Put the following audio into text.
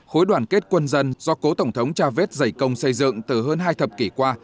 khối đoàn kết quân dân do cố tổng thống chávez dày công xây dựng từ hơn hai thập kỷ qua